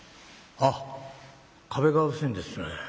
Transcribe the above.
「あっ壁が薄いんですね。